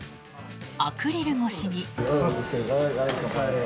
アクリル越しに。